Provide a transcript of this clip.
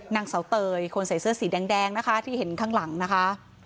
นางเสาเตยคนใส่เสื้อสีแดงนะคะที่เห็นข้างหลังนะคะ